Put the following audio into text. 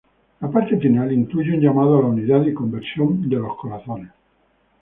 La parte final incluye un llamado a la unidad y conversión de corazones.